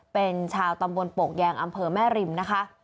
เป็นชาวตำบลโปกแยงอำเภอแม่ริมนะคะ